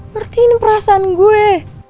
nertiin perasaan gue